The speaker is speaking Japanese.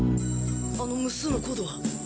あの無数のコードは。